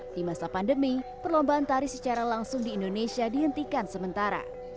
di masa pandemi perlombaan tari secara langsung di indonesia dihentikan sementara